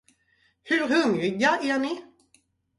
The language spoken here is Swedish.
Hur hungriga är ni?